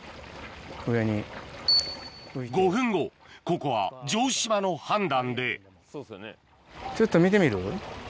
ここは城島の判断でちょっと見てみる？